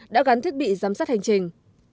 đã gắn thiết bị giám sát hành trình